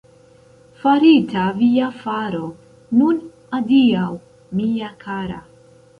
Farita via faro, nun adiaŭ, mia kara!